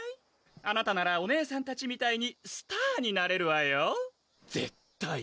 あなたならお姉さんたちみたいにスターになれるわよ絶対！